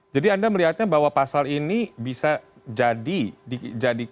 jadi anda melihatnya bahwa pasal ini bisa jadi